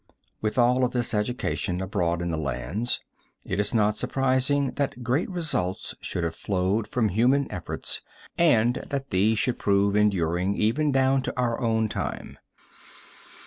With all this of education abroad in the lands, it is not surprising that great results should have flowed from human efforts and that these should prove enduring even down to our own time.